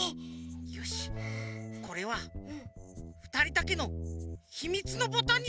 よしこれはふたりだけのひみつのボタンにしよう。